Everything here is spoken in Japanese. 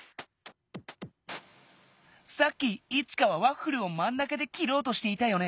さっきイチカはワッフルをまん中できろうとしていたよね。